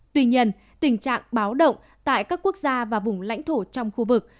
tuy nhiên tình trạng báo động tại các quốc gia và vùng lãnh thổ trong khu vực